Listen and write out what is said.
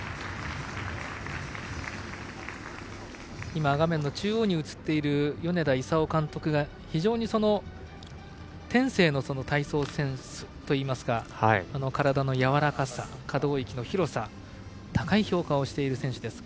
今、画面の中央に映っている米田功監督が非常に天性の体操センスといいますか体の柔らかさ、可動域の広さと高い評価をしている選手です。